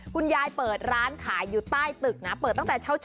คุณยายเปิดร้านขายอยู่ใต้ตึกนะเปิดตั้งแต่เช้า